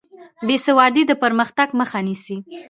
بې سوادي د پرمختګ مخه نیسي.